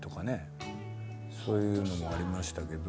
そういうのもありましたけど